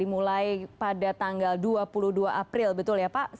dimulai pada tanggal dua puluh dua april betul ya pak